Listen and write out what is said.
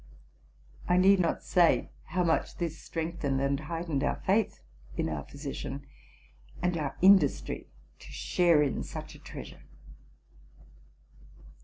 I need not say how much this strengthened and heightened our faith in our physician, and our industry to share in such a treasure.